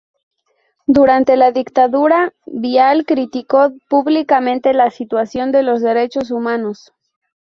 Durante la dictadura, Vial criticó públicamente la situación de los derechos humanos.